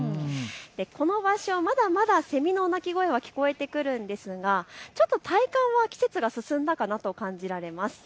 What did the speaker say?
この場所まだまだセミの鳴き声は聞こえてくるんですが、ちょっと体感は季節が進んだかなと感じられます。